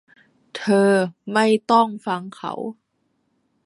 ไม่ เธอต้องฟังเขา